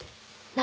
何？